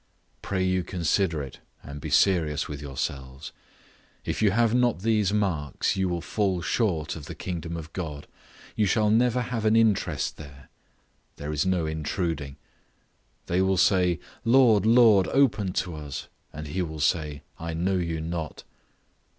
Pray you consider it, and be serious with yourselves. If you have not these marks, you will fall short of the kingdom of God, you shall never have an interest there; there is no intruding. They will say, "Lord, Lord, open to us; and he will say, I know you not."